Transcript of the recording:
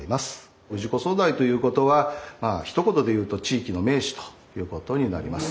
氏子総代ということはまあひと言で言うと地域の名士ということになります。